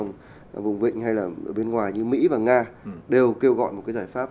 như là cos ở trong vùng vịnh hay là ở bên ngoài như mỹ và nga đều kêu gọi một cái giải pháp